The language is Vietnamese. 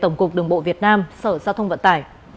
tổng cục đường bộ việt nam sở giao thông vận tải